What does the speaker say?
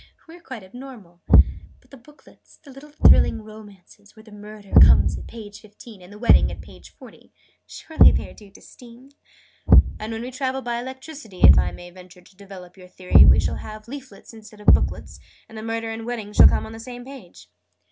We are quite abnormal. But the booklets the little thrilling romances, where the Murder comes at page fifteen, and the Wedding at page forty surely they are due to Steam?" "And when we travel by Electricity if I may venture to develop your theory we shall have leaflets instead of booklets, and the Murder and the Wedding will come on the same page."